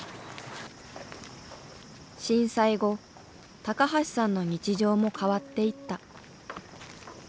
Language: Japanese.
震災後橋さんの日常も変わっていった。